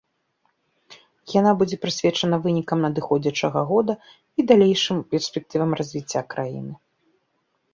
Яна будзе прысвечана вынікам адыходзячага года і далейшым перспектывам развіцця краіны.